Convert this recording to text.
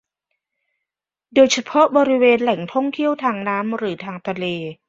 โดยเฉพาะบริเวณแหล่งท่องเที่ยวทางน้ำหรือทางทะเล